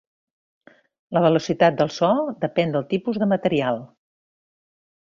La velocitat del so depèn del tipus de material.